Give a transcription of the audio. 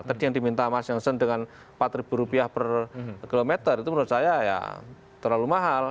tadi yang diminta mas jansen dengan rp empat per kilometer itu menurut saya ya terlalu mahal